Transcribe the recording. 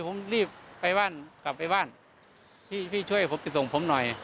ผมรีบไปบ้านกลับไปบ้านพี่พี่ช่วยผมจะส่งผมหน่อย